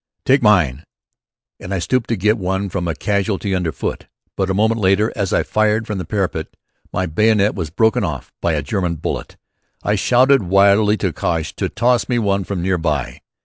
"Take mine." And I stooped to get one from a casualty underfoot. But a moment later, as I fired from the parapet, my bayonet was broken off by a German bullet. I shouted wildly to Cosh to toss me one from near by.